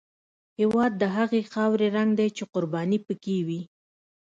هېواد د هغې خاورې رنګ دی چې قرباني پکې وي.